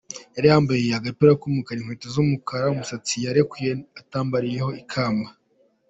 Yari yambaye agapira ku mukara n'inkweto z'umukara, umusatsi yarekuye utambarijemo ikamba.